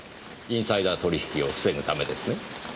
インサイダー取引を防ぐためですね。